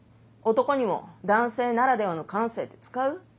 男にも「男性ならではの感性」って使う？